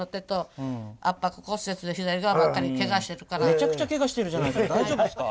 めちゃくちゃケガしてるじゃないですか大丈夫ですか？